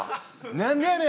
「何でやねん？